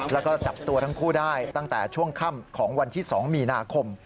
แล้วก็จับตัวทั้งคู่ได้ตั้งแต่ช่วงค่ำของวันที่๒มีนาคม